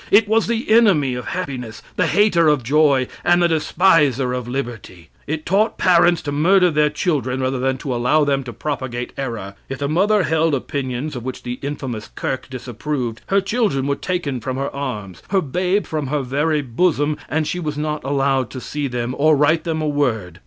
It was the enemy of happiness, the hater of joy, and the despiser of liberty. It taught parents to murder their children rather than to allow them to propagate error. If the mother held opinions of which the infamous "kirk" disapproved, her children were taken from her arms, her babe from her very bosom, and she was not allowed to see them, or write them a word.